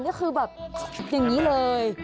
นี่คือแบบอย่างนี้เลย